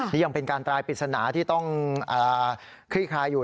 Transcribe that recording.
นี่ยังเป็นการตายปริศนาที่ต้องคลี่คลายอยู่